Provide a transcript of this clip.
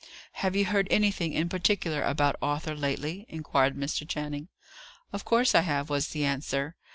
"Have you heard anything in particular about Arthur lately?" inquired Mr. Channing. "Of course I have," was the answer.